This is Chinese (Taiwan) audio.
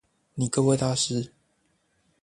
你各位大師